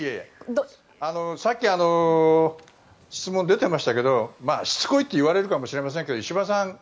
さっき質問、出ていましたけどしつこいといわれるかもしれませんが石破さん